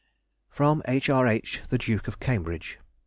FROM H.R.H. THE DUKE OF CAMBRIDGE.